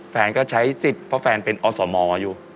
แฟนก็ใช้สิทธิ์เพราะแฟนเป็นอสมอยู่